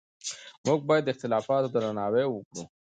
موږ باید د اختلافاتو درناوی وکړو.